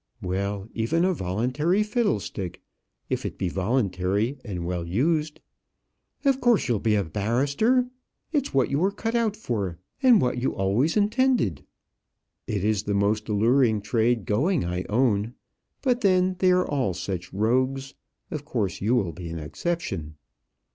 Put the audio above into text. "Well, even a voluntary fiddlestick if it be voluntary and well used." "Of course you'll be a barrister. It is what you are cut out for, and what you always intended." "It is the most alluring trade going, I own; but then they are all such rogues. Of course you will be an exception."